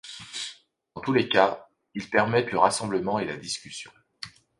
Dans tous les cas, ils permettent le rassemblement et la discussion.